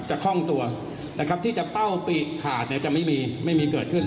คล่องตัวนะครับที่จะเป้าปีกขาดเนี่ยจะไม่มีไม่มีเกิดขึ้น